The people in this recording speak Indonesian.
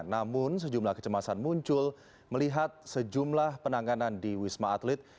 namun sejumlah kecemasan muncul melihat sejumlah penanganan di wisma atlet